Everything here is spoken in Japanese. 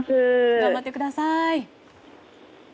頑張ってください。